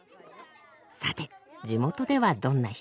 さて地元ではどんな人？